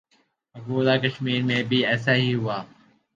مقبوضہ کشمیر میں بھی ایسا ہی ہوا۔